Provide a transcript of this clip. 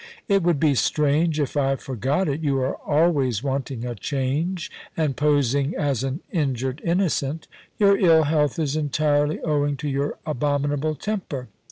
* It would be strange if I forgot it. You are always wanting a change and posing as an injured innocent Your ill health is entirely owing to your abominable temper.